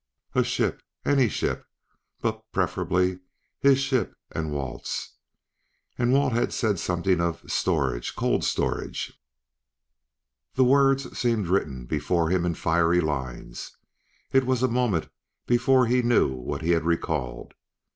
A ship! any ship! but preferably his ship and Walt's. And Walt had said something of "storage cold storage." The words seemed written before him in fiery lines. It was a moment before he knew what he had recalled.